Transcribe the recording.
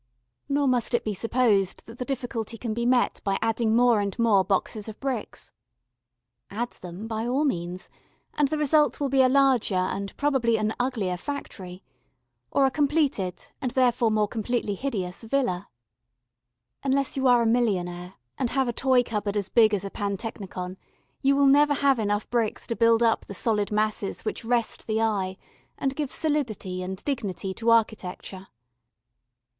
Nor must it be supposed that the difficulty can be met by adding more and more boxes of bricks. Add them, by all means; and the result will be a larger and probably an uglier factory, or a completed, and therefore more completely hideous, villa. Unless you are a millionaire, and have a toy cupboard as big as a pantechnicon, you will never have enough bricks to build up the solid masses which rest the eye, and give solidity and dignity to architecture.